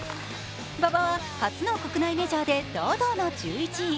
馬場は初の国内メジャーで堂々の１１位。